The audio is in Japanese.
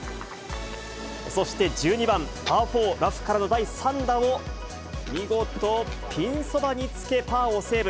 そして、１２番パー４、ラフからの第３打を、見事ピンそばにつけ、パーをセーブ。